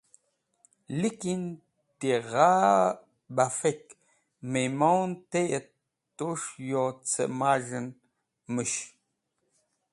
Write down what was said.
Likin, ti gha bafek mehmon tey et tu’s̃h yaw cẽ maz̃h en mũsh.